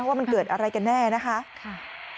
ว่ามันเกิดอะไรกันแน่นะคะ